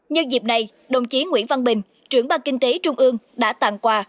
nhân dịp này đồng chiến nguyễn văn bình trưởng bang kinh tế trung ương đã tặng quà